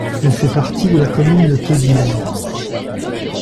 Elle fait partie de la commune de Teguise.